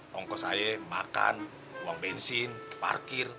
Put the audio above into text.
pongkos aja makan buang bensin parkir